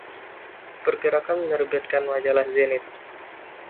Pergerakan menerbitkan majalah “Zenit”.